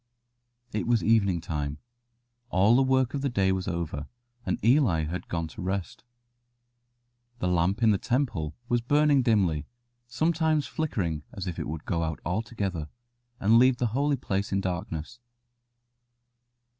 It was evening time. All the work of the day was over, and Eli had gone to rest. The lamp in the temple was burning dimly, sometimes flickering as if it would go out altogether, and leave the holy place in darkness.